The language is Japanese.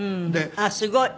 あっすごい！